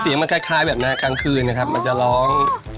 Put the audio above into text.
มันคล้ายแบบนะฮะกลางคืนนะครับมันจะร้อง